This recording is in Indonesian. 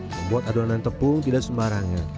membuat adonan tepung tidak sembarangan